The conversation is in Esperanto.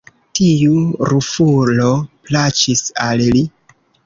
Tiu rufulo plaĉis al li.